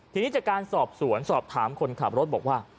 ทีนี้จากการสอบสวนสอบถามคนขับรถบอกว่า